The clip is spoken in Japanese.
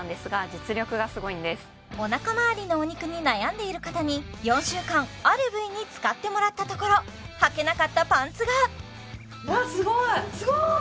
お腹まわりのお肉に悩んでいる方に４週間ある部位に使ってもらったところはけなかったパンツがあっすごいすごい！